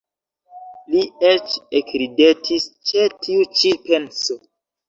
Li eĉ ekridetis ĉe tiu ĉi penso.